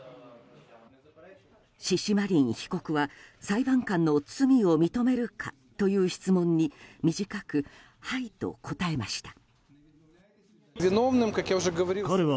シシマリン被告は裁判官の罪を認めるかという質問に短く、はいと答えました。